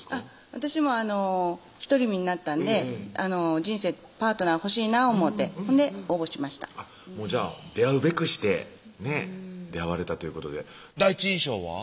私も独り身になったんで人生のパートナー欲しいな思て応募しましたじゃあ出会うべくして出会われたということで第一印象は？